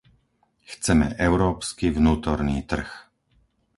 Chceme európsky vnútorný trh.